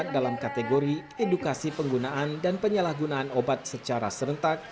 dalam kategori edukasi penggunaan dan penyalahgunaan obat secara serentak